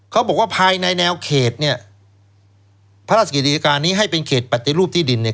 เขาบอกว่าภายในแนวเขตเนี่ยพระราชกิจการนี้ให้เป็นเขตปฏิรูปที่ดินเนี่ย